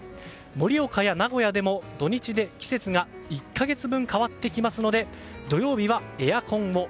盛岡や名古屋でも土日で季節が１か月分変わってきますので土曜日はエアコンを。